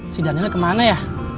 si daniel kemana ya